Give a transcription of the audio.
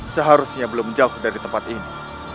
seharusnya belum jauh dari tempat ini